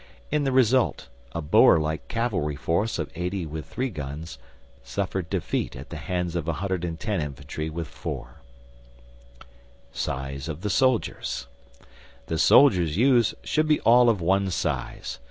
In the result, a Boer like cavalry force of 80 with 3 guns suffered defeat at the hands of 110 infantry with 4. SIZE OF THE SOLDIERS The soldiers used should be all of one size.